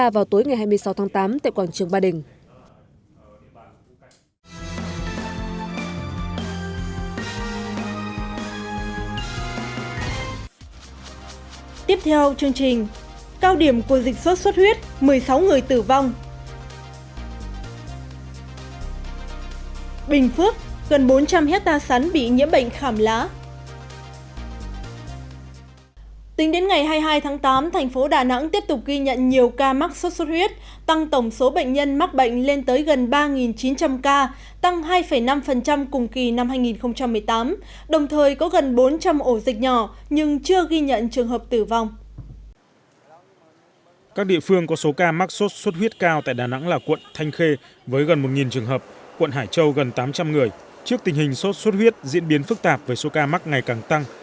với gần một trường hợp quận hải châu gần tám trăm linh người trước tình hình sốt xuất huyết diễn biến phức tạp với số ca mắc ngày càng tăng